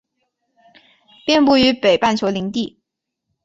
遍布于北半球林地。